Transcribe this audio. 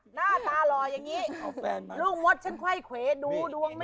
หน้าตาหล่อยอย่างงี้ลูกมดฉันคว่ายเขวดูมัน